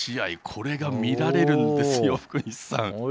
これが見られるんです、福西さん。